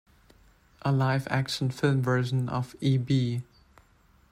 A live-action film version of E. B.